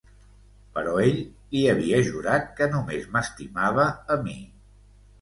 Però ell li havia jurat que només m'estimava a mi.